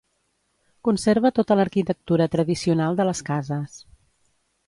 Conserva tota l'arquitectura tradicional de les cases.